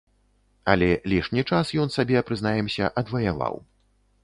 Але лішні час ён сабе, прызнаемся, адваяваў.